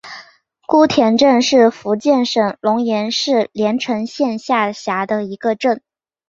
姑田镇是福建省龙岩市连城县下辖的一个镇。